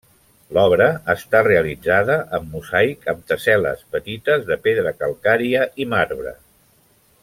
L'obra està realitzada en mosaic amb tessel·les petites de pedra calcària i marbre.